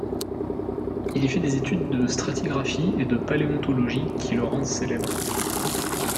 Il y fait des études de stratigraphie et de paléontologie qui le rendent célèbre.